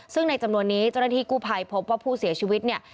ซึ่งในจำนวนนี้เจ้าหน้าที่กู้ภัยพบว่าผู้เสียชีวิตเนี่ย